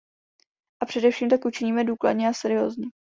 A především tak učiníme důkladně a seriózně.